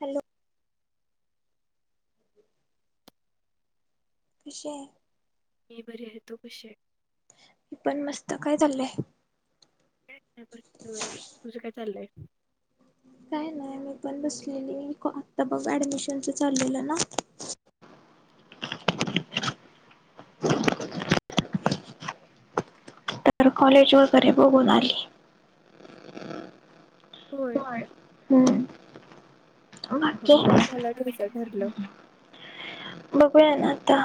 Hello, विषय मी बर आहे. तू कशी आहे? मी पण मस्त.... काय चाललंय? काय नाही बरं होय तुझं काय चाललंय काय नाही. मी पण बसलेली. आत्ता बघ ऍडमिशनच चाललेलं ना.. कॉलेज वगैरे बघून आली. होय हम्म बाकी.. मग कशाला घ्यायचं ठरलं बघूया ना. आता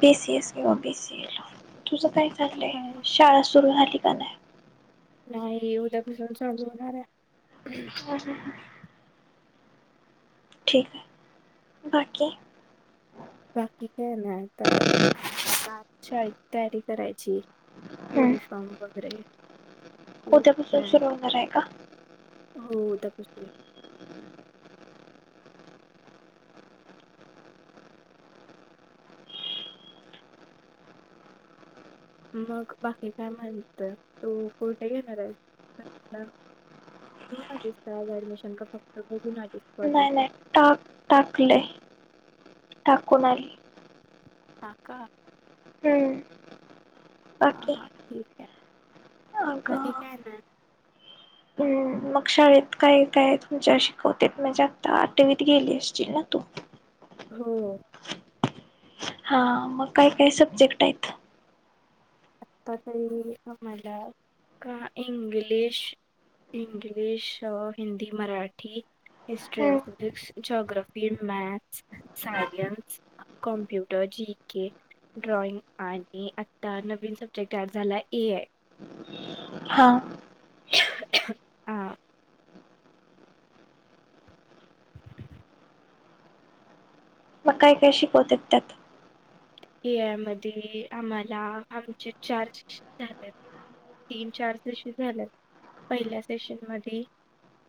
बी सी एस किंवा बी सी ए ला तुझं काय चाललंय? हा. शाळा सुरू झाली का नाही? नाही. उद्यापासून चालू होणार आहे. ह हा ठीक आहे. बाकी... बाकी काय नाय.. आता शाळेची तयारी करायची. हम्म युनिफॉर्म वगैरे... खूप उद्यापासून सुरू बॅग होणार आहे का? हो उद्यापासून. मग बाकी काय म्हणते? तू कुठे घेणार आहे [inaudible] जाऊन आलीस का? आज ऍडमिशन का फक्त बघून आलीस? नाही कॉलेज नाही टाक टाकलंय. टाकून आली. हा का? हम्म हा बाकी हा ठीक आहे. बाकी अगं काय नाय? मग शाळेत काय काय तुमच्या शिकवतात? म्हणजे आता आठवीत गेली असशील ना तू? हो हा मग काय काय सब्जेक्ट आहेत? आता तरी आम्हाला का English English, Hindi, Marathi history, physics, geography, maths, science, computer G K, drawing आणि आता नवीन सब्जे क्ट एड झालाय ए आय. हा हा मग काय काय शिकवतात त्यात? ए आय मध्ये आम्हाला आमचे चार सेक्शन झालेत. तीन चार सेशन झाल्यात. पहिल्या सेशन मध्ये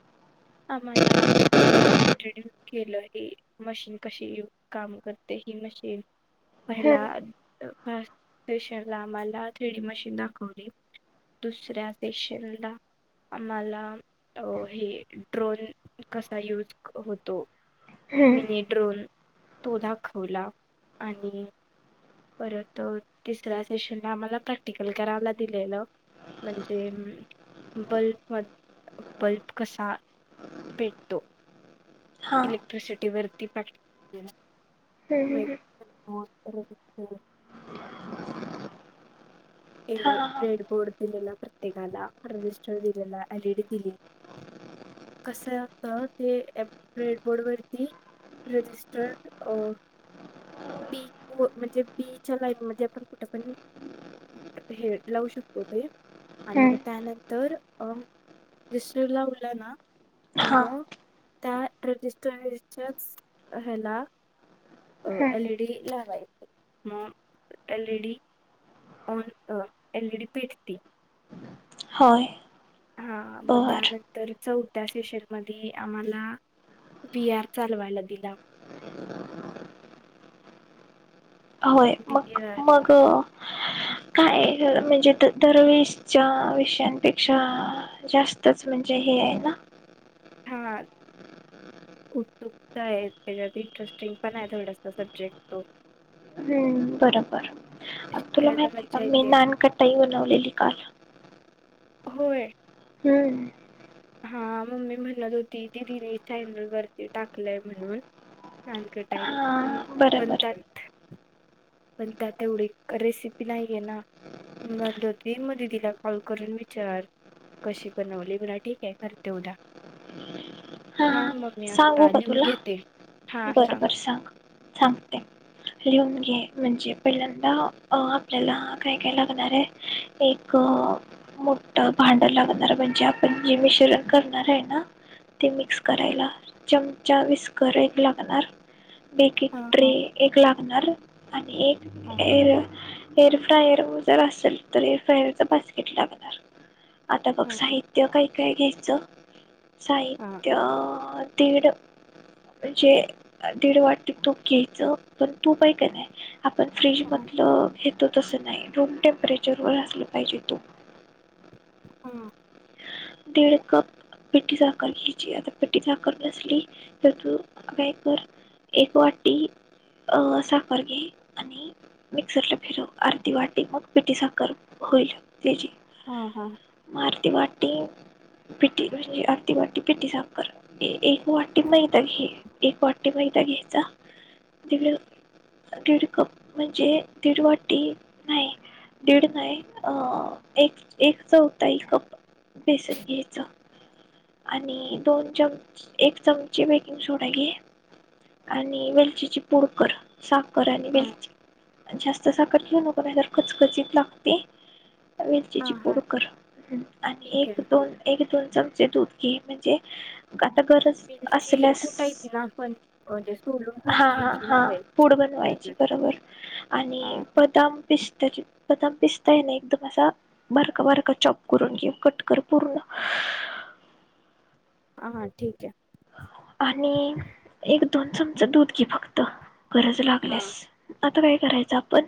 [inaudible] आम्हाला फक्त इंट्रोड्यू केलं की मशीन कशी काम करते ही मशीन पहिला फर्स्ट सेशन ला आम्हाला थ्रीडी मशीन दाखवली. दुसऱ्या सेशनला आम्हाला अ हे ड्रोन कसा यूज होतो? हम्म मिनी ड्रोन तो दाखवला आणि परत तिसऱ्या सेशनला आम्हाला प्रॅक्टिकल करायला दिलेलं म्हणजे बल्ब म बल्ब कसा पेटतो हा इलेक्ट्रिसिटीवरती प्रॅ हम् हम् हम् [unintelligible] ए हा रेड बोर्ड दिलेला प्रत्येकाला रजिस्टर दिलेला एलीडी दिलेली कसं आहे आता ते रेडबोर्ड वरती रजिस्टरड अ बीच म्हणजे बी च्या लाईन मध्ये आपण कुठं पण हे लावू शकतो ते आणि मग त्यानं तर अ क्रीस्टल लावला ना की हा मग त्या रजिस्टरच्याच ह्याला अ हा एलीडी लावायचं मग एलीडी ऑन अ एलइडी पेटती होय हा मग बर त्यानंतर चौ त्या सेशन मधी आम्हाला बीआर चालवायला दिला. [unintelligible] होय व्ही मग आर मग काय म्हणजे द दरवेळेसच्या विषयांपेक्षा जास्तच म्हणजे हे आहे ना हा उत्सुकता आहे त्याच्यात इंटरेस्टिंग पण आहे थोडासा सब्जेक्ट तो हम्म बरोबर तुला खेळायला माहती आहे का मज्जा मी येते नानकटाई बनवलेली काल होय हम्म हा मम्मी म्हणत होती ती रील चॅनल वरती टाकलंय म्हणून नानकटाई् बणतात ह पण त्या तेवढी रेसिपी नाहीये ना मणत होती मग दिदीला कॉल करून विचार कशी बनवली मराठी काय करते उदा हा सांगू का तुला बर बर सांग सांगते लिहून म्हणजे पहिल्यांदा आपल्याला काय काय लागणार आहे एक मोठ भांड लागणार म्हणजे आपण जे मिश्रण करणार आहे ना ते मिक्स करायला चमचा विस्कर एक लागणार हा बेकिंग हा ट्रे एक लागणार आणि एक हा हे एअर फ्रायर जर असेल तर एअरफ्रायरचा बास्केट लागणार आता बघ हा हा साहित्य काय काय घ्यायचं हा साहित्य दिड म्हणजे दीड वाटी तूप घ्यायचं पण तूप हाय का नाय आपण फ्रीज हा मधलं घेतो तसं नाही रूम टेम्परेचर वर असलं पाहिजे तू. हा दीड कप. पिठी साखर घ्यायची, आता पिठी साखर नसली तर तू काय कर. एक वाटी अ साखर घे आणि मिक्सर ला फिरव अर्धी वाटी मग पिटी साखर होइल त्याची हा म आर्दी वाट [inaudible] पिटी म्हणजे अर्धा वाटी पिटी साखर ए एक वाटी मैदा घे एक वाटी मैदा घेयाचा [inaudible] दीड कप म्हणजे दीड वाटी नाही. दीड नाय अ एक एकच चौथाई कप बेसन घ्यायचा. आणि दोन चम एक चमचे बेकिंग सोडा घे. आणि वेलचीची पुड कर सा करायला हा घ्यायची, जास्त साखर घेऊ नक नाही तर कचकचीत लागते. वेलचीची हा हा पुड कर आणि ठीक एक आहे दोन एक दोन चमचे दूध घे म्हणजे का- वेलची कुटायची ना आपण म्हणजे सोलून हा हा कुटायची ना हा वे. पूड बनवायची बरोबर आणि बदाम, पिस्ते बदाम पिस्ते ना एकदम असा बारका बारका चॉप करून घे, कट. कर पूर्ण. हा हा ठीक आहे. आणि एक दोन चमच दूध घे फक्त, गरज हा लागल्यास. आता काय करायचं आपण,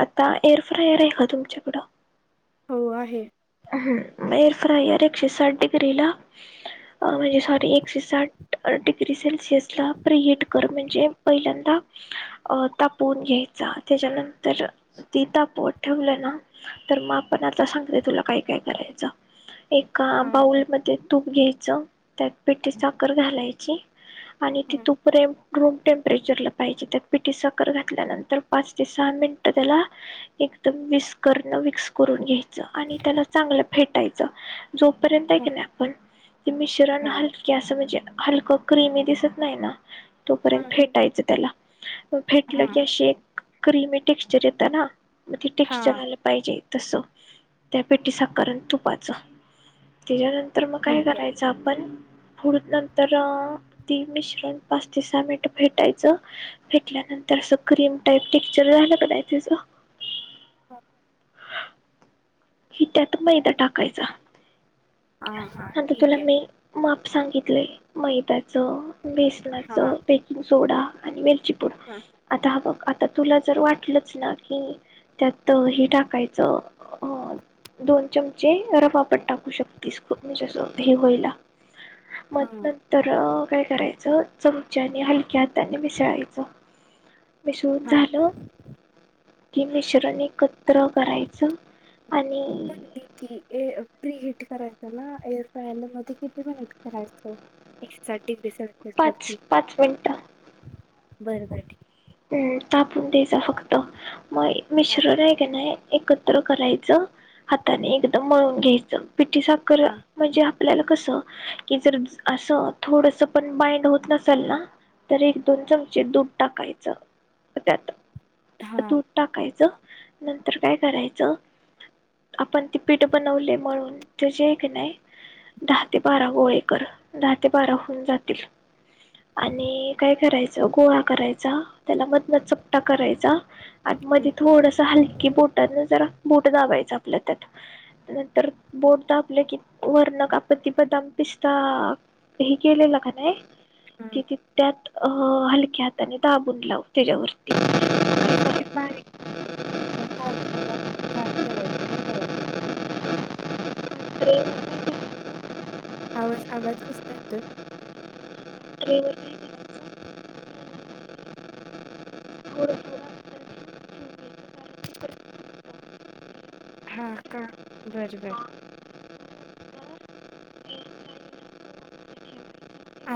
आता एअरफ्रायर आहे का तुमच्याकडं? हो आहे. हम्म एयर फ्रायर एकशे साठ डिग्रीला म्हणजे सॉरी एकशे साठ डिग्री सेल्सिअसला प्रिहिट कर, म्हणजे पहिल्यांदा अ तापवून घ्यायचा, त्याच्यानंतर ते तापवत ठेवलं ना. तर मग आपण आता सांगतेय तुला काय काय करायचं, एका हा बाऊलमध्ये तूप घ्यायचं, त्यात पिठी साखर घालायची आणि ती हा तूप रे- रूम टेम्परेचरला पाहिजे. त्यात पिठी साखर घातल्यानंतर पाच ते सहा मिनिटं त्याला एक मिक्सर मिक्स करून घ्यायचं. आणि त्याला चांगलं फेटायचं, जोपर्यंत आहे हा क नाही आपण ते मिश्रण हा हलक असं म्हणजे हलकं क्रिमी दिसत नाही ना. तोपर्यंत हा फेटायचं त्याला. म फेटलं हा की अशी एक क्रिमी टेक्स्चर येतं ना मग ते टेक्स्चर हा आलं पाहिजे. तस त्या पिठी साखर अन् तुपाच त्याच्यानं- तर मग काय ठीक आहे करायचं आपण फुड नंतर ती मिश्रण पाच ते सहा मिनिट फेटायचं फेटल्या नंतर असं क्रीम टाईप टेक्चर झालं का नाही त्याच हो [inaudible] की त्यात मैदा टाकायचा, हा हा नंतर तुला ठीक आहे मी माप सांगितलय मैद्याच, हा बेसनाचं, बेकिंग सोडा आणी वेल. चिपुड हा आता हा बघ. आता तुला जर वाटलच ना की त्यात हे टाकायचं अ दोन चमचे रवापण टाकू शक त म्हणजे अस हे होईला मग हा नंतर काय करायचं, चमच्याने हलक्या हाताने मिसळायचं. मिसळून हा झालं की मिश्रण ऐक त्र करायचं आणि प्री हिट करायचं ना [unintelligible] मध्ये किती मिनिट करायचं ए पाच पाच मिनटं बर बर ठी [unintelligible] तापून द्यायचा फक्त मग आहे. मिश्रण हाय की नय एकत्र करायचं हाताने एकदम मळून घ्यायचं पिठी साखर हा म्हणजे आप आपल्याला कस की जर अस थोडस पण बाइंड होत नसाल ना तर एक दोन चमचे दूध टाकायचं त्यात हा हा दूध टाकायचं नंतर काय करायचं आपण ती पीठ बनवले म्हणून त्याची आहे क नाही दहा ते बारा गोळेकर दहा ते बारा होन जातील आणि काय करायच गोळा करायचा त्याला मधन चपटा करायचा आणि मध्ये थोडस हलकी बोट न जरा बोट दाबायच आपल्या त्यात नंतर बोट दाबले की वर्ण का आपत्ती बदाम इन्स्टा हे केलेलं का त त्यात अ हलक्यात आणि दाबून लाव त्याच्यावरती अस ते बारी ट्रेवर [unintelligible] काय करायचं [unintelligible] आवाज आवाज कसला येतोय [unintelligible] टीव्ही चा होर [unintelligible] हा का बर-बर कारण तिखट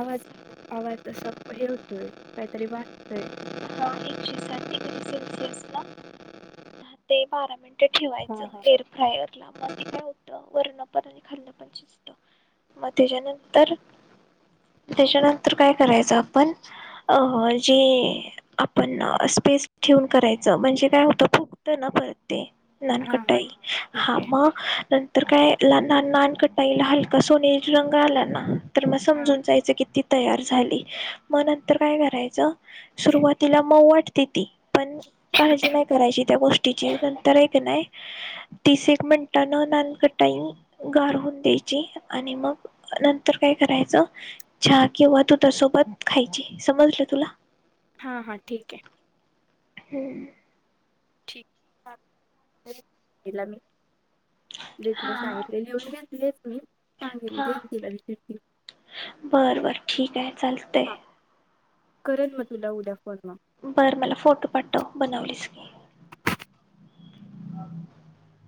आवाज आवाज अस हेवतोय काहीतरी वाचतोय [unintelligible] सेल्सिअसला दहा ते बारा मिनिटं हा ठेवायचं हा. एअर फ्रायर ला मण होत वरण पण आणि खाल्णं पण शिजत मग त्याच्यानंतर त्याच्यानंतर काय करायचं आपण अ जे आपण अस पेस्ट ठेवून करायचं म्हणजे काय होतं फू [unintelligible] नान हा हा कटाई ठीक हा आहे म तर काय ल नान कटाईला हलका सोनेरी रंग आला ना तर मग हा समजून जायचं की ति तयार झाली मग नंतर काय करायचं ओके सुरुवातीला मौ वाटते ती पण काळजी नाही करायची त्या गोश [unintelligible] नंतर ये कने तीस एक मिनटांन नान कटाई गार हुत्यात आणि मग नंतर काय करायच चा किंवा दुधा सोबत खायची समजलं तुला हा-हा ठीक ये. हम्म [unintelligible] [unintelligible] घेतले. हा सांगितले. लिहून घेतलेतच मी देईन तिला बर-बर ठीक आहे चालतय. हा करन मग तुला उद्या फोन मग. बरं मला फोटो पाठव बनवलीस की. [unintelligible]